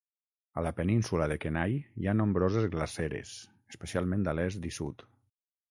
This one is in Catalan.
A la península de Kenai hi ha nombroses glaceres, especialment a l'est i sud.